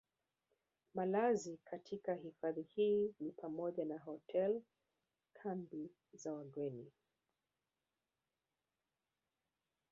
Malazi katika Hifadhi hii ni pamoja na Hotel kambi za wageni